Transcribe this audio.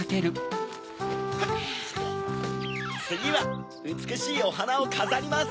つぎはうつくしいおはなをかざります！